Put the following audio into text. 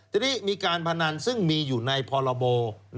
ทีนี้มีการพนันซึ่งมีอยู่ในพรบ